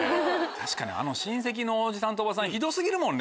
確かにあの親戚の伯父さんと伯母さんひど過ぎるもんね。